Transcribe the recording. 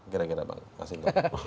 kira kira pak mas intan